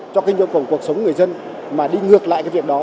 cho cái nhu cầu cuộc sống người dân mà đi ngược lại cái việc đó